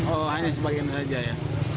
oh hanya sebagian saja ya